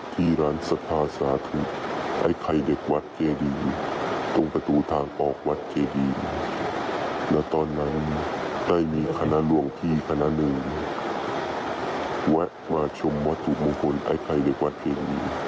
หลวงที่ขณะหนึ่งแวะมาชมวัตถุมงคลไอ้ใครเรียกว่าเห็น